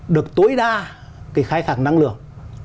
được tối đa cái khai sạc năng lượng